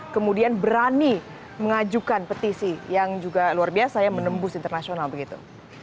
kemudian berani mengajukan petisi yang juga luar biasa ya menembus internasional begitu